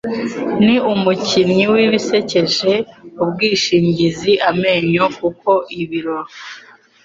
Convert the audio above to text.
Ni Umucyinyi Wibisekeje ubwishingizi amenyo Kuko ibiro?